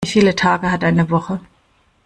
Wie viele Tage hat eine Woche?